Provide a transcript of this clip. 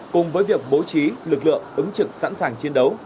cùng với việc bố trí lực lượng ứng trực sẵn sàng chiến đấu